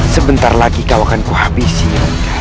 sebentar lagi kau akan kuhabisin